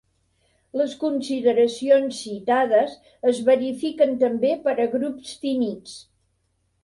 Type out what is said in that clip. Les consideracions citades es verifiquen també per a grups finits.